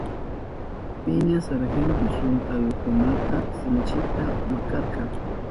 Piña sargento suntalukunata sinchita makarka.